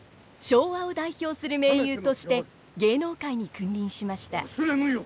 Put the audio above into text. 昭和を代表する名優として芸能界に君臨しました。